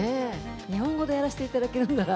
日本語でやらせていただけるんなら。